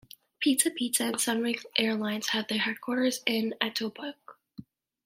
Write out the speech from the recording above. Pizza Pizza and Sunwing Airlines have their headquarters in Etobicoke.